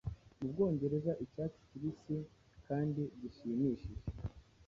Mu Bwongereza icyatsi kibisi kandi gishimishije.